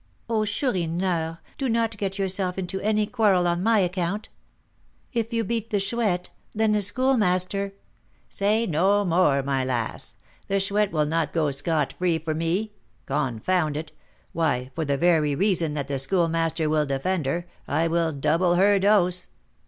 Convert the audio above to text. "Oh, Chourineur, do not get yourself into any quarrel on my account. If you beat the Chouette, then the Schoolmaster " "Say no more, my lass. The Chouette shall not go scot free for me. Confound it! why, for the very reason that the Schoolmaster will defend her, I will double her dose."